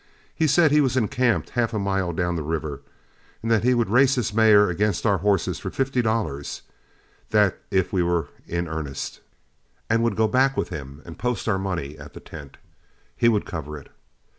He said he was encamped half a mile down the river, and that he would race his mare against our horse for fifty dollars; that if we were in earnest, and would go back with him and post our money at the tent, he would cover it.